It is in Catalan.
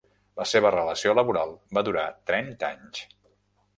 La seva relació laboral va durar trenta anys.